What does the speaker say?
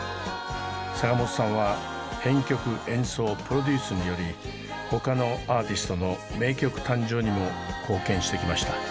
坂本さんは編曲演奏プロデュースにより他のアーティストの名曲誕生にも貢献してきました。